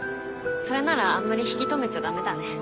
それならあんまり引き留めちゃ駄目だね。